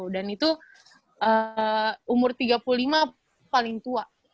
dan itu umur tiga puluh lima paling tua